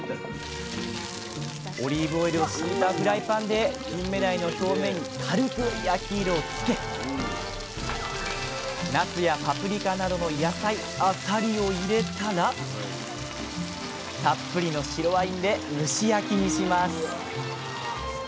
オリーブオイルをしいたフライパンでキンメダイの表面に軽く焼き色をつけなすやパプリカなどの野菜あさりを入れたらたっぷりの白ワインで蒸し焼きにします。